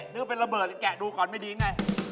นึกเป็นระเบิดแกะดูก่อนไม่ดีไง